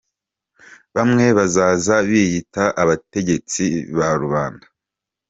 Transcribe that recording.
Bamwe bazaza biyita abategetsi ba rubanda.